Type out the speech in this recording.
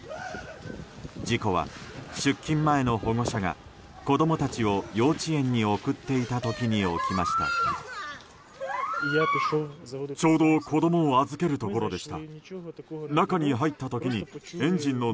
事故は出勤前の保護者が子供たちを幼稚園に送っていた時に起きました。